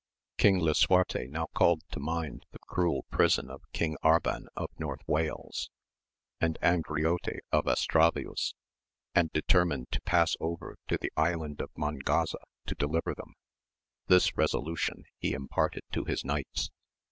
King Lisuarte now called to mind the cruel prison of King Arban of North Wales, and Angriote of Estravaus, and determined to pass over to the Island AMADIS OF GAUL. 73 of Mongaza to deliver them; this resolution he imparted to his knights.